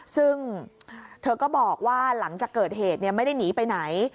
ซึ่งเธอก็บอกว่าหลังจากเกิดเหตุไม่ได้หนีไปไหน